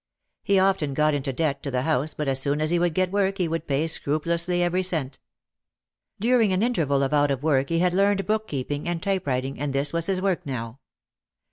He often got into debt to the house but as soon as he would get work he would pay scrupu lously every cent. During an interval of out of work he had learned bookkeeping and typewriting and this was his work now.